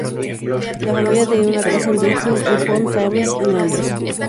La familia tenía una casa en Richmond-upon-Thames, en Londres.